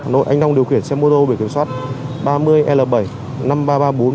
hà nội anh đông điều khiển xe mô tô bị kiểm soát ba mươi l bảy năm nghìn ba trăm ba mươi bốn vi phạm